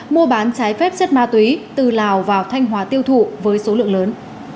mua bán trái phép chất ma túy từ lào vào thanh hóa tiêu thụ với số lượng lớn